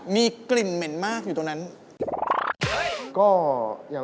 มีกลิ่นเหม็นมากอยู่ตรงนั้น